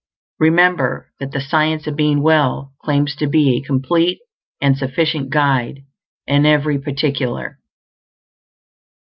Remember that the SCIENCE OF BEING WELL claims to be a complete and sufficient guide in every particular.